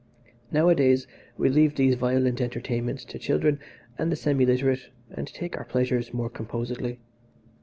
Nowadays we leave these violent entertainments to children and the semi literate and take our pleasures more composedly.